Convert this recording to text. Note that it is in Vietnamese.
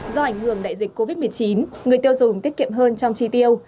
do ảnh hưởng đại dịch covid một mươi chín người tiêu dùng tiết kiệm hơn trong chi tiêu